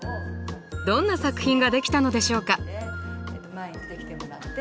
どんな作品が出来たのでしょうか。